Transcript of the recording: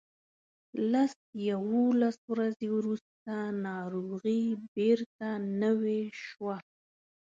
لس یوولس ورځې وروسته ناروغي بیرته نوې شوه.